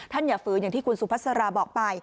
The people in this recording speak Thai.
อย่าฝืนอย่างที่คุณสุภาษาราบอกไป